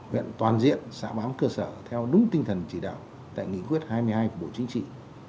huyện toàn diện xã bám cơ sở theo đúng tinh thần chỉ đạo tại nghị quyết hai mươi hai của bộ chính trị